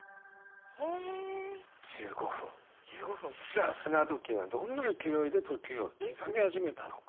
さあ砂時計はどんな勢いで時を刻み始めたのか。